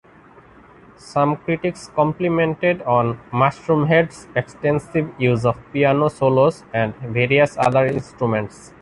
Some critics complimented on Mushroomhead's extensive use of piano solos and various other instruments.